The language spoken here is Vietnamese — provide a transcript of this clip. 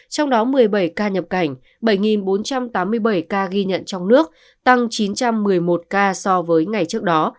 trong đó một mươi bảy ca nhập cảnh bảy bốn trăm tám mươi bảy ca ghi nhận trong nước tăng chín trăm một mươi một ca so với ngày trước đó